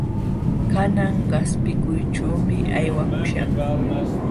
Kanan qaspiykuyćhuumi aywakuśhaq.